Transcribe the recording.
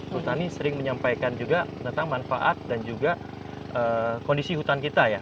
hutan ini sering menyampaikan juga tentang manfaat dan juga kondisi hutan kita ya